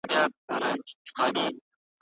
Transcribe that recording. افغان کډوال د مدني اعتراضونو قانوني اجازه نه لري.